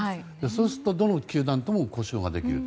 そうすると、どの球団とも交渉ができる。